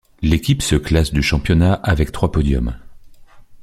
L'équipe se classe du championnat avec trois podiums.